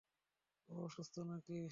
তুই অসুস্থ নাকি?